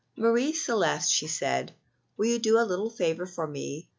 "Marie Celeste," she said, "will you do a little favor for me?